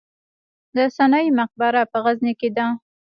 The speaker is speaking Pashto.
د سنايي مقبره په غزني کې ده